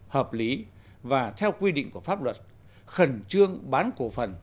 hợp lý và theo quy định của pháp luật khẩn trương bán cổ phần